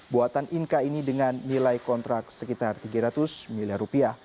buatan inka ini dengan nilai kontrak sekitar tiga ratus miliar rupiah